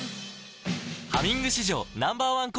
「ハミング」史上Ｎｏ．１抗菌